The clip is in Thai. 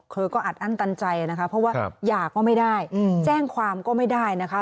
อัดอั้นตันใจนะคะเพราะว่าหย่าก็ไม่ได้แจ้งความก็ไม่ได้นะคะ